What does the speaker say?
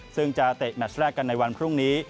ซึ่งจะเตะแมชแรกกันในวันพรุ่งนี้